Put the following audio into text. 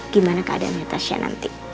gimana keadaannya tasya nanti